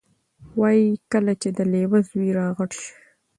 وایي کله چې د لیوه زوی را غټ شي،